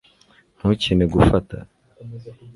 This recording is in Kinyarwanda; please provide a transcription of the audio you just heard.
ntukine gufata